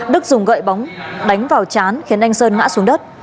đức dùng gậy bóng đánh vào chán khiến anh sơn ngã xuống đất